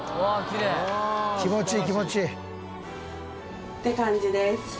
気持ちいい気持ちいい。って感じです。